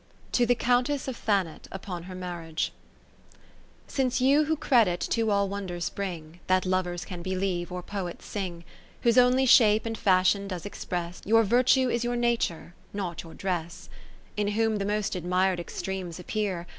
To the Countess of Thanet, upon her JNTarriage Since you who credit to all wonders bring, That lovers can believe, or poets sing ; Whose only shape and fashion does express. Your virtue is your nature, not your dress ; In whom the most admir'd extremes appear.